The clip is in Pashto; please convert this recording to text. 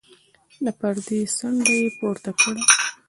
د پردې څنډه يې پورته کړه.